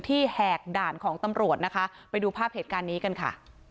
แหกด่านของตำรวจนะคะไปดูภาพเหตุการณ์นี้กันค่ะ